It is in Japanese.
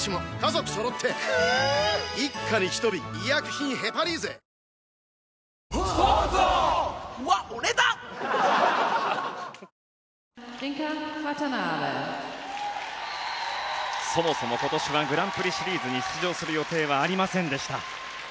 サントリーそもそも今年はグランプリシリーズに出場する予定はありませんでした。